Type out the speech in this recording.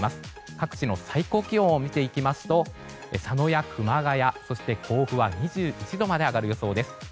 各地の最高気温を見ていきますと佐野や熊谷、そして甲府は２１度まで上がる予想です。